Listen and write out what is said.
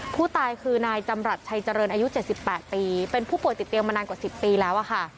ผู้ตายคือนายจำรัฐชัยเจริญอายุ๗๘ปีเป็นผู้ป่วยติดเตียงมานานกว่า๑๐ปีแล้วค่ะ